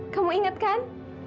kamu ingat kan